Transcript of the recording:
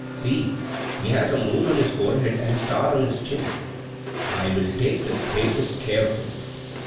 "See, he has a moon on his forehead and a star on his chin. I will take the greatest care of him."